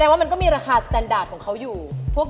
เกิดแวปเข้าไปดูบ้างไหมคะ